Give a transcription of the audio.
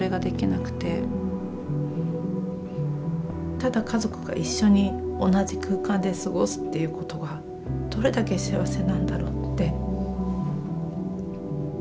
ただ家族が一緒に同じ空間で過ごすっていうことがどれだけ幸せなんだろうって。